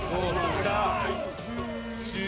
きた。